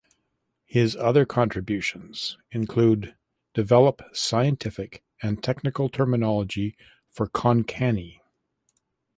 His other contributions include helping develop scientific and technical terminology for Konkani.